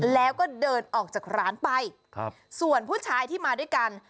แล้วก็เดินออกจากร้านไปครับส่วนผู้ชายที่มาด้วยกัน